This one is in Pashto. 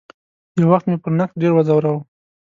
یو وخت مې پر نقد ډېر وځوراوه.